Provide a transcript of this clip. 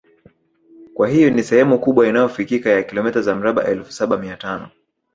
Kwa hiyo ni sehemu kubwa inayofikika ya kilomita za mraba elfu Saba Mia tano